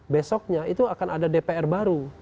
besoknya itu akan ada dpr baru